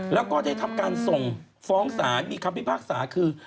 แล้วก็ได้ทำการส่งฟ้องศาลมีคำพิพากษาคือ